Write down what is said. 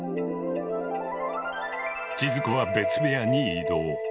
千鶴子は別部屋に移動。